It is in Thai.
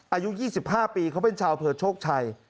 อายุ๒๕ปีเขาเป็นชาวอำเภอโชคชัย